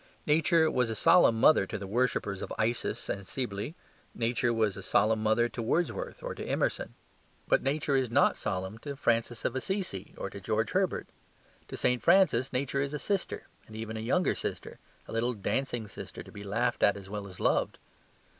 Nature was a solemn mother to the worshippers of Isis and Cybele. Nature was a solemn mother to Wordsworth or to Emerson. But Nature is not solemn to Francis of Assisi or to George Herbert. To St. Francis, Nature is a sister, and even a younger sister: a little, dancing sister, to be laughed at as well as loved.